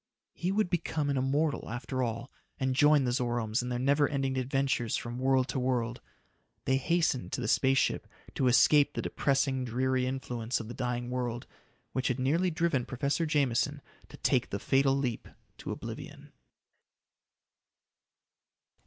He would become an immortal after all and join the Zoromes in their never ending adventures from world to world. They hastened to the space ship to escape the depressing, dreary influence of the dying world, which had nearly driven Professor Jameson to take the fatal leap to oblivion.